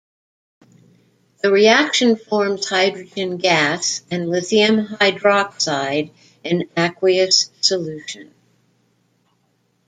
The reaction forms hydrogen gas and lithium hydroxide in aqueous solution.